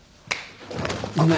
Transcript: ごめん